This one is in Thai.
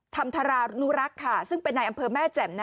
ทำทารานุรักษ์นะคะซึ่งเป็นในอำเภอแม่แจ่ม